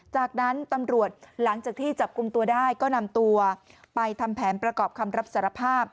จากนั้นตำรวจหลังจากที่จับกลุ่มตัวได้ก็นำตัวไปทำแผนประกอบคำรับสารภาพ